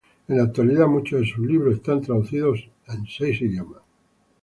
En la actualidad muchos de sus libros están traducidos en seis idiomas.